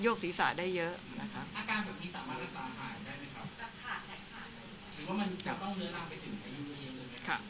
ยกศีรษะได้เยอะนะคะ